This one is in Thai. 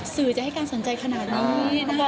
สื่อจะให้การสนใจขนาดนี้นะคะ